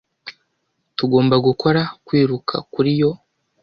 Tugomba gukora kwiruka kuri yo.